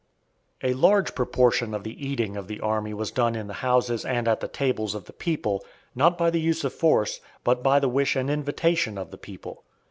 A large proportion of the eating of the army was done in the houses and at the tables of the people, not by the use of force, but by the wish and invitation of the people.